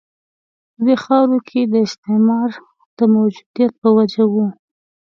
په دې خاورو کې د استعمار د موجودیت په وجه وه.